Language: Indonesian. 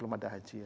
belum ada haji ya